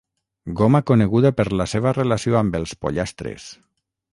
Goma coneguda per la seva relació amb els pollastres.